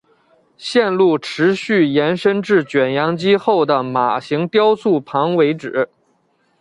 路线持续延伸至卷扬机后的马型雕塑旁为止。